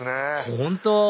本当！